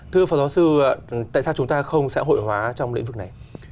thưa phó giáo sư tại sao chúng ta không xã hội hóa trong lĩnh vực này